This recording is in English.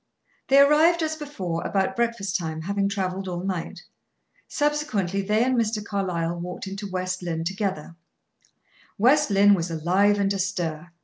They arrived, as before, about breakfast time, having traveled all night. Subsequently, they and Mr. Carlyle walked into West Lynne together. West Lynne was alive and astir.